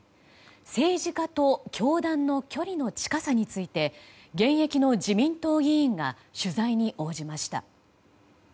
政治家と教団の距離の近さについて現役の自民党議員が取材に応じました。